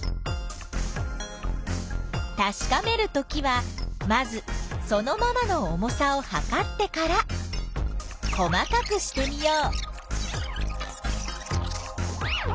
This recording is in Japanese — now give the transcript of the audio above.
たしかめるときはまずそのままの重さをはかってから細かくしてみよう！